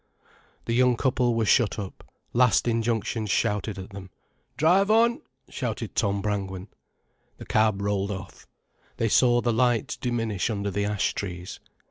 The young couple were shut up, last injunctions shouted at them. "Drive on," shouted Tom Brangwen. The cab rolled off. They saw the light diminish under the ash trees.